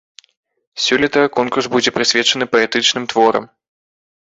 Сёлета конкурс будзе прысвечаны паэтычным творам.